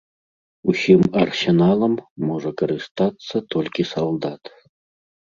Усім арсеналам можа карыстацца толькі салдат.